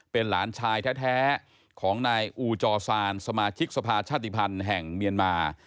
เป็นหลานชายแท้ของนายอูจอซานสมาชิกสภาชาติภัณฑ์แห่งเมียนมา